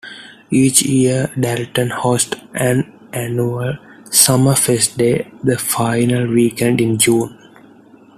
Each year, Dalton hosts an annual "Summerfest Day" the final weekend in June.